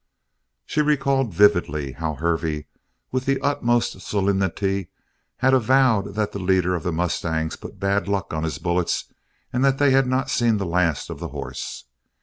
She recalled vividly how Hervey, with the utmost solemnity, had avowed that the leader of the mustangs put "bad luck" on his bullets and that they had not seen the last of the horse.